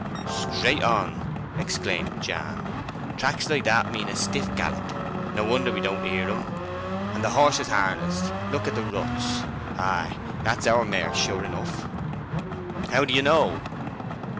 "Straight on!" Jan exclaimed. "Tracks like that mean a stiff gallop. No wonder we don't hear him. And the horse is harnessed—look at the ruts. Ay, that's our mare sure enough!" "How do you know?"